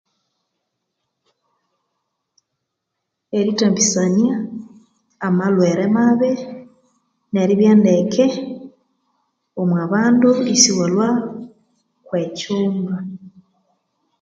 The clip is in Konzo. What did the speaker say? Erithambisania amalhwere mabi neribya ndeke, omu bandu isiwa lhwamu kwe ekyumba